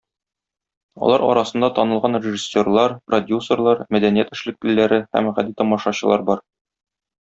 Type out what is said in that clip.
Алар арасында танылган режиссерлар, продюсерлар, мәдәният эшлеклеләре һәм гади тамашачылар бар.